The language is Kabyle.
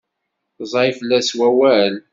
Ẓẓay fell-as wawal.